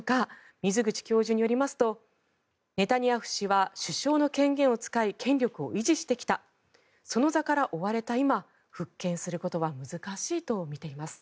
水口教授によりますとネタニヤフ氏は首相の権限を使い権力を維持してきたその座から追われた今復権することは難しいと見ています。